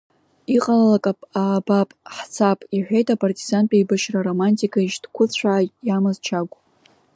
Иҟалалак аабап, ҳцап, — иҳәеит апартизантә еибашьра аромантика ишьҭкәыцәаа иамаз Чагә.